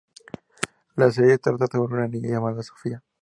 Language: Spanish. La serie trata sobre una niña llamada Sofía.